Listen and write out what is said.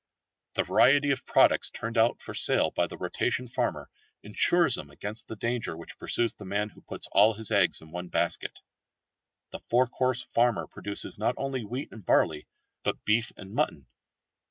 The variety of products turned out for sale by the rotation farmer ensures him against the danger which pursues the man who puts all his eggs in one basket. The four course farmer produces not only wheat and barley, but beef and mutton.